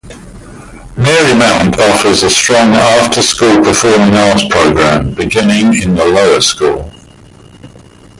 Marymount offers a strong after-school performing arts program beginning in the Lower School.